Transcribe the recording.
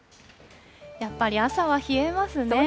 やっぱり朝は冷えますね。